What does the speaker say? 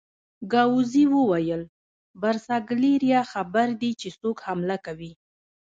ګاووزي وویل: برساګلیریا خبر دي چې څوک حمله کوي؟